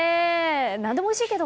何でもおいしいけど。